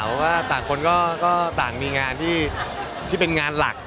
แต่ว่าต่างคนก็ต่างมีงานที่เป็นงานหลัก